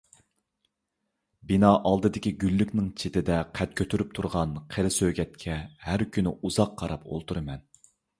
بىنا ئالدىدىكى گۈللۈكنىڭ چېتىدە قەد كۆتۈرۈپ تۇرغان قېرى سۆگەتكە ھەر كۈنى ئۇزاق قاراپ ئولتۇرىمەن.